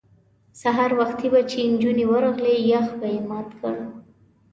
سهار وختي به چې نجونې ورغلې یخ به یې مات کړ.